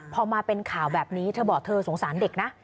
พอมาเป็นข่าวแบบนี้เธอบอกเธอสงสารเด็กนะ